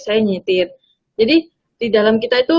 saya nyetir jadi di dalam kita itu